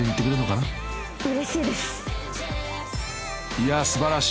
［いや素晴らしい］